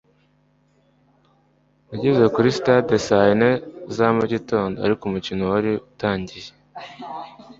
nageze kuri stade saa yine za mugitondo, ariko umukino wari utangiye